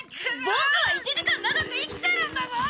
ボクは１時間長く生きてるんだぞ。